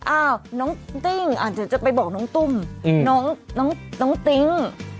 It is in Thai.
อ้าวน้องติ้งอาจจะไปบอกน้องตุ้มน้องติ๊ง